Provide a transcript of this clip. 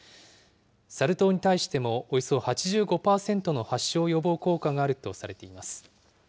サル痘に対してもおよそ８５％の発症予防効果があるとされています。